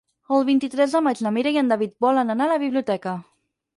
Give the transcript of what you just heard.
El vint-i-tres de maig na Mira i en David volen anar a la biblioteca.